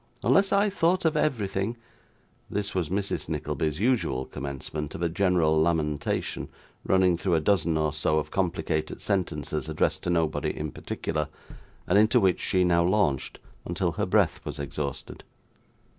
Unless I thought of everything ' This was Mrs. Nickleby's usual commencement of a general lamentation, running through a dozen or so of complicated sentences addressed to nobody in particular, and into which she now launched until her breath was exhausted.